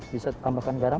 bisa tambahkan garam